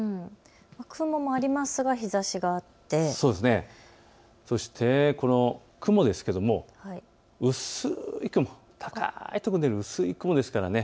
雲もありますが日ざしがあって、そしてこの雲ですが薄い雲、高い所に出る薄い雲です。